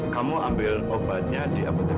kamu ambil obatnya di apotek